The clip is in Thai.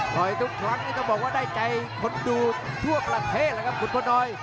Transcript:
หล่อยทุกครั้งต้องบอกว่าได้ใจคนดูทั่วประเทศครับขุนพลน้อย